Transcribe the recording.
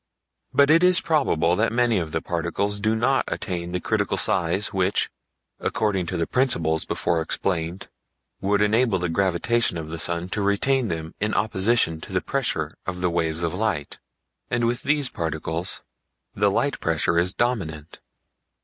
But it is probable that many of the particles do not attain the critical size which, according to the principles before explained, would enable the gravitation of the sun to retain them in opposition to the pressure of the waves of light, and with these particles the light pressure is dominant.